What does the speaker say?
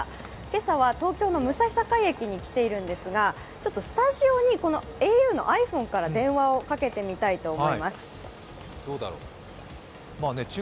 今朝は東京の武蔵境駅に来ているんですが、スタジオにａｕのｉＰｈｏｎｅから電話をかけてみたいと思います。